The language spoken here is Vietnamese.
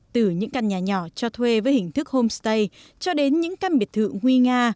từ những căn nhà nhỏ cho thuê với hình thức homestay cho đến những căn biệt thự huy nga